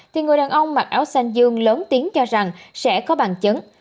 thì người đàn ông mặc áo xanh dương lớn tiếng cho rằng sẽ có bằng chứng